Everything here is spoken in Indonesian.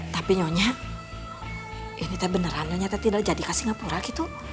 tapi nyonya ini beneran nyata nyata tidak jadi ke singapura gitu